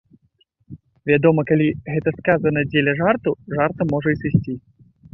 Вядома, калі гэта сказана дзеля жарту, жартам можа і сысці.